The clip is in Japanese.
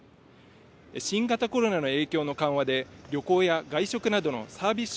新型コロナの影響の緩和で旅行や外食などのサービス